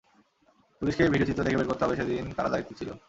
পুলিশকেই video চিত্র দেখে বের করতে হবে, সেদিন কারা দায়িত্বে ছিল।